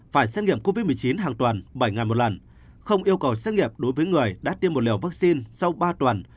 phải xét nghiệm covid một mươi chín hàng tuần bảy ngày một lần không yêu cầu xét nghiệm đối với người đã tiêm một liều vaccine sau ba tuần